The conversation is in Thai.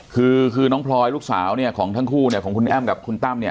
คือคือน้องพลอยลูกสาวเนี่ยของทั้งคู่เนี่ยของคุณแอ้มกับคุณตั้มเนี่ย